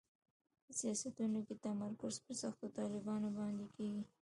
په سیاستونو کې تمرکز پر سختو طالبانو باندې کېږي.